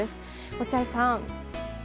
落合さん。